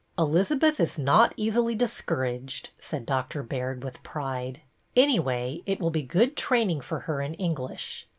Elizabeth is not easily discouraged," said Doc tor Baird, with pride. '' Anyway, it will be good training for her in English.